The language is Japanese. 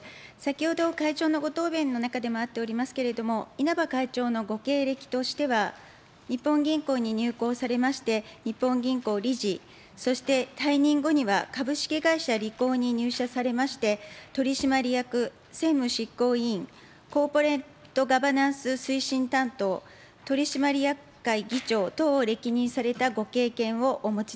、稲葉会長のご経歴としては、日本銀行に入行されまして、日本銀行理事、そして退任後には株式会社リコーに入社されまして、取締役、専務執行委員、コーポレートガバナンス推進担当、取締役会議長等を歴任されたご経験をお持ちでございます。